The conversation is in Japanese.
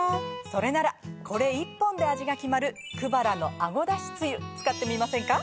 それならこれ１本で味が決まるくばらの「あごだしつゆ」使ってみませんか？